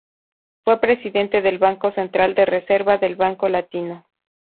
Fue Presidente del Banco Central de Reserva y del Banco Latino.